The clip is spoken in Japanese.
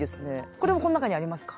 これもこの中にありますか？